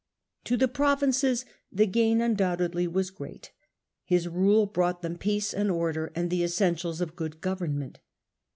To the provinces the gain undoubtedly was great. His rule brought them peace and order and the essentials of good government.